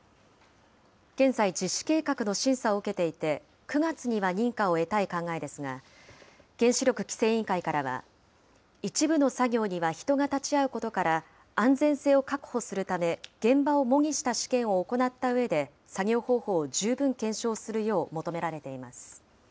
現在、実施計画の審査を受けていて、９月には認可を得たい考えですが、原子力規制委員会からは、一部の作業には人が立ち会うことから、安全性を確保するため、現場を模擬した試験を行ったうえで作業方法を十分検証するよう求められています。